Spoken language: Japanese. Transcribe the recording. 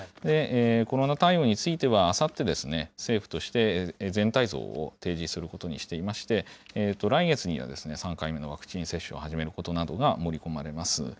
コロナ対応については、あさって政府として全体像を提示することにしていまして、来月には３回目のワクチン接種を始めることなどが盛り込まれます。